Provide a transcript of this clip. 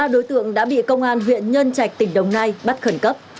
ba đối tượng đã bị công an huyện nhân trạch tỉnh đồng nai bắt khẩn cấp